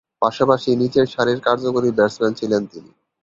পাশাপাশি নিচেরসারির কার্যকরী ব্যাটসম্যান ছিলেন তিনি।